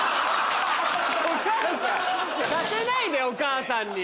お母さん！